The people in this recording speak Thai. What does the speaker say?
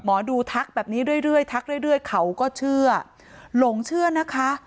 หมอดูทักแบบนี้เรื่อยทักเรื่อยเขาก็เชื่อหลงเชื่อนะคะ